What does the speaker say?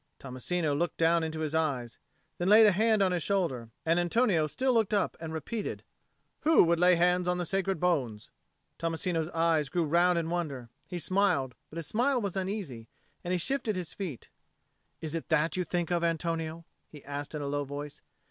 Tommasino looked down into his eyes; then he laid a hand on his shoulder; and Antonio still looked up and repeated, "Who would lay hands on the sacred bones?" Tommasino's eyes grew round in wonder: he smiled, but his smile was uneasy, and he shifted his feet. "Is it that you think of, Antonio?" he asked in a low voice.